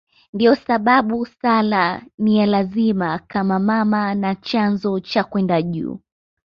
Ndiyo sababu sala ni ya lazima kama mama na chanzo cha kwenda juu.